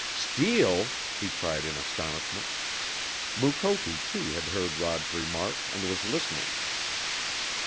"Steal!" he cried in astonishment. Mukoki, too, had heard Rod's remark and was listening.